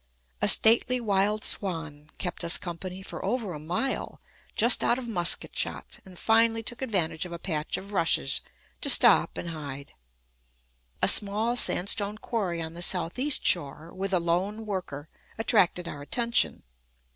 A stately wild swan kept us company for over a mile, just out of musket shot, and finally took advantage of a patch of rushes to stop and hide. A small sandstone quarry on the southeast shore, with a lone worker, attracted our attention.